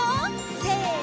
せの！